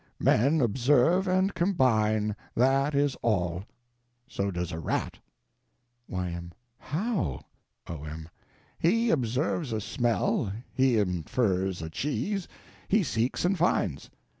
Men observe and combine, that is all. So does a rat. Y.M. How? O.M. He observes a smell, he infers a cheese, he seeks and finds.